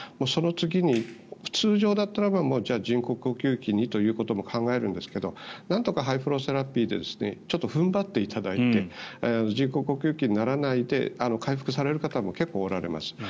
その次に通常だったらばじゃあ人工呼吸器にということも考えるんですがなんとかハイフローセラピーでちょっと踏ん張っていただいて人工呼吸器にならないで回復される方も結構おられます。